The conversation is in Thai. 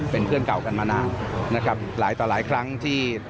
เป็นเพื่อนเก่ากันมานานนะครับหลายต่อหลายครั้งที่